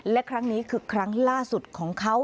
และครั้งนี้คือครั้งล่าสุดของเขา